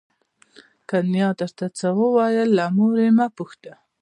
که نیا درته څه وویل له مور یې مه پوښته.